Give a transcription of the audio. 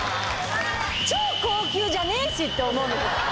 超高級じゃねえし！って思うんですよ。